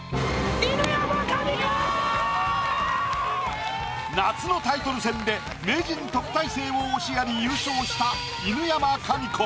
おお！夏のタイトル戦で名人・特待生を押しやり優勝した犬山紙子。